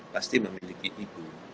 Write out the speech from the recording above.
pasti memiliki ibu